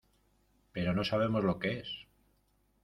pero no sabemos lo que es.